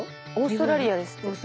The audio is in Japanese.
オーストラリアですって。